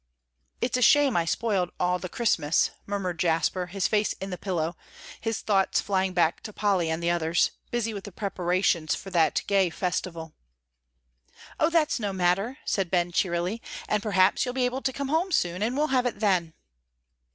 "It's a shame I spoiled all the Christmas," murmured Jasper, his face in the pillow, his thoughts flying back to Polly and the others, busy with the preparations for that gay festival. "Oh, that's no matter," said Ben, cheerily, "and perhaps you'll be able to come home soon, and we'll have it then."